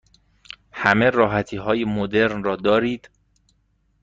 همه راحتی های مدرن را دارید؟